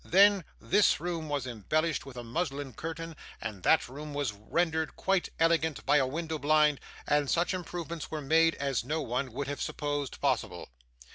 Then, this room was embellished with a muslin curtain, and that room was rendered quite elegant by a window blind, and such improvements were made, as no one would have supposed possible.